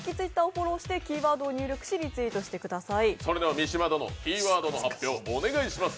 三島殿、キーワードの発表、お願いします。